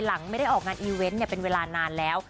หลังไม่ได้ออกงานอีเวนต์เป็นเวลานานแล้ว